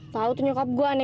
tau tuh nyokap gue aneh banget